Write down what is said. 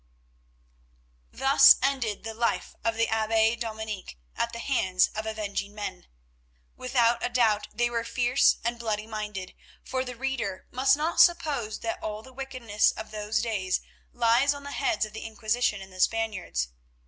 Thus ended the life of the Abbe Dominic at the hands of avenging men. Without a doubt they were fierce and bloody minded, for the reader must not suppose that all the wickedness of those days lies on the heads of the Inquisition and the Spaniards.